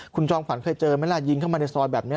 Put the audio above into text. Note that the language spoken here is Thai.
คุณจอมขวัญเคยเจอไหมล่ะยิงเข้ามาในซอยแบบนี้